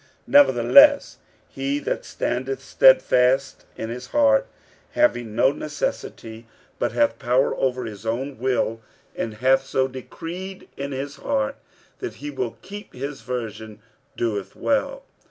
46:007:037 Nevertheless he that standeth stedfast in his heart, having no necessity, but hath power over his own will, and hath so decreed in his heart that he will keep his virgin, doeth well.